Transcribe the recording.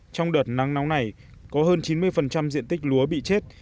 trong đợt nắng nóng này có hơn chín mươi diện tích lúa bị chết